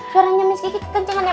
suaranya miskin gitu kencangannya